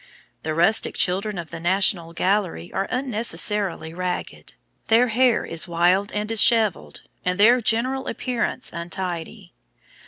The Rustic Children of the National Gallery are unnecessarily ragged; their hair is wild and dishevelled, and their general appearance untidy.